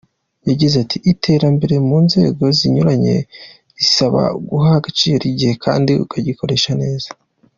Yagize ati “Iterambere mu nzego zinyuranye risaba guha agaciro igihe kandi ukagikoresha neza.